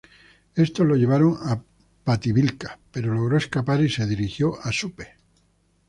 Estos lo llevaron a Pativilca, pero logró escapar y se dirigió a Supe.